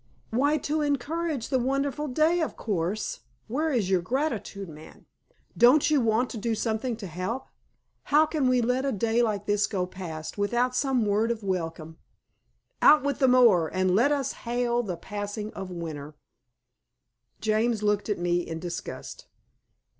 "Why, to encourage the wonderful day, of course. Where is your gratitude, man? Don't you want to do something to help? How can we let a day like this go past without some word of welcome? Out with the mower, and let us hail the passing of winter." James looked at me in disgust.